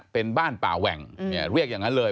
เป็นบ้านป่าแหว่งเรียกอย่างนั้นเลย